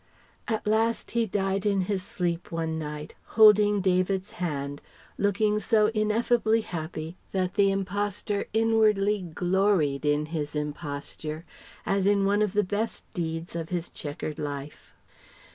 At last he died in his sleep one night, holding David's hand, looking so ineffably happy that the impostor inwardly gloried in his imposture as in one of the best deeds of his chequered life.